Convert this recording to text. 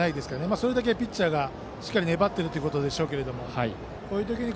それだけピッチャーがしっかり粘っているということでしょうけども。